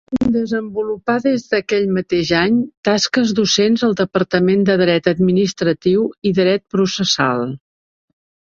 Desenvolupà, des d'aquell mateix any, tasques docents al departament de Dret Administratiu i Dret Processal.